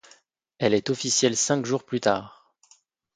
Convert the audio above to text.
Elle est officielle cinq jours plus tard.